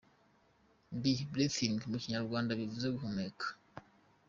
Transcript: B : Breathing : Mu Kinyarwanda bivuze “guhumeka”.